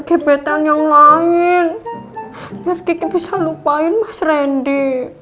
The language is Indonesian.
kibetan yang lain biar kiki bisa lupain mas rendy